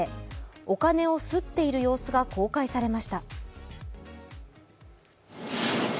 お金を刷っている様子が公開されました。